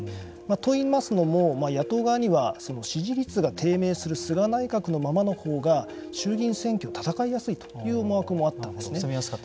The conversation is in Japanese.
といいますのも野党側には支持率が低迷する菅内閣のままのほうが衆議院選挙が戦いやすいという思惑もあったんですね。